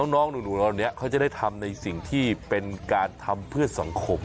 น้องหนูเหล่านี้เขาจะได้ทำในสิ่งที่เป็นการทำเพื่อสังคม